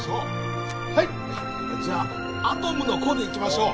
はいじゃあアトムの童でいきましょう